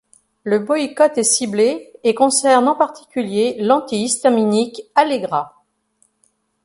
Le boycott est ciblé et concerne en particulier l'antihistaminique Allegra®.